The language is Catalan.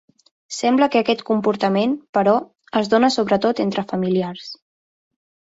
Sembla que aquest comportament, però, es dona sobre tot entre familiars.